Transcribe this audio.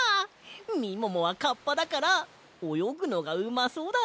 みももはカッパだからおよぐのがうまそうだな。